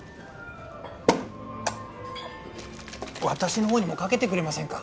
私の方にもかけてくれませんか